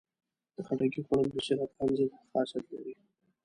د خټکي خوړل د سرطان ضد خاصیت لري.